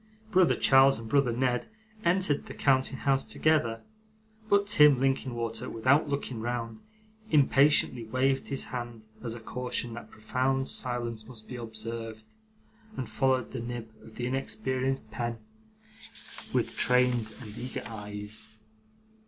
Brother Charles and brother Ned entered the counting house together; but Tim Linkinwater, without looking round, impatiently waved his hand as a caution that profound silence must be observed, and followed the nib of the inexperienced pen with strained and eager eyes.